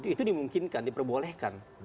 itu dimungkinkan diperbolehkan